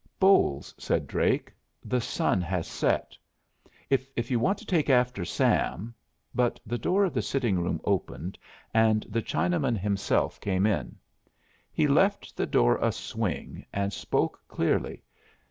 "Bolles," said Drake, "the sun has set. If you want to take after Sam " But the door of the sitting room opened and the Chinaman himself came in. He left the door a swing and spoke clearly.